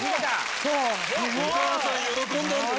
お母さん喜んだんじゃ？